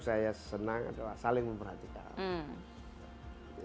saya senang adalah saling memperhatikan